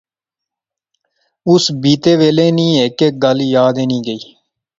اس بیتے ویلے نی ہیک ہیک گل یاد اینی گئی